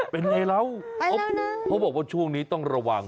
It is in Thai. เป็นไงแล้วเขาบอกว่าช่วงนี้ต้องระวัง